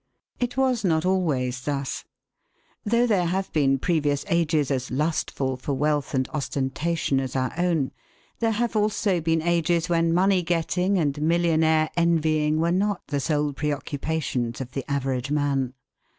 It was not always thus. Though there have been previous ages as lustful for wealth and ostentation as our own, there have also been ages when money getting and millionaire envying were not the sole preoccupations of the average man.